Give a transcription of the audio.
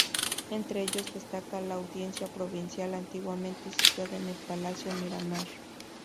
Entre ellos destaca la Audiencia Provincial, antiguamente situada en el palacio Miramar.